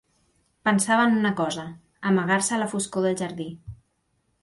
Pensava en una cosa: amagar-se a la foscor del jardí.